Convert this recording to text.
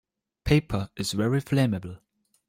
Paper is very flammable.